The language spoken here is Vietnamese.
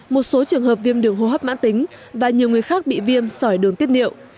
một số trường hợp viêm đường hô hấp mãn tính và nhiều người khác bị viêm sỏi đường tiết niệu